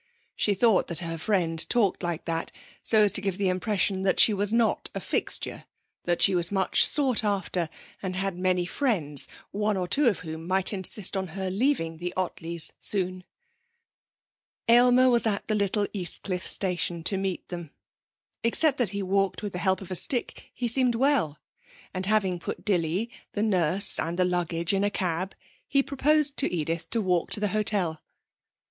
She thought that her friend talked like that so as to give the impression that she was not a fixture; that she was much sought after and had many friends, one or two of whom might insist on her leaving the Ottleys soon. Aylmer was at the little Eastcliff station to meet them. Except that he walked with the help of a stick, he seemed well, and having put Dilly, the nurse and the luggage in a cab, he proposed to Edith to walk to the hotel.